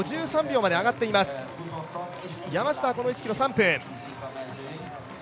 山下はこの１ｋｍ３分。